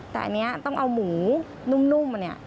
แต่อันนี้ต้องเอาหมูนุ่มเนี่ย